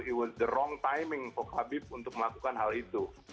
it was the wrong timing for khabib untuk melakukan hal itu